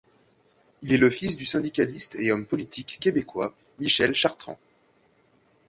Il est le fils du syndicaliste et homme politique québécois Michel Chartrand.